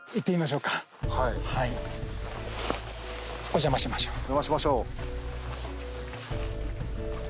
お邪魔しましょう。